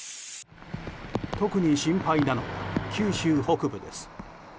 特に心配なのは九州北部です。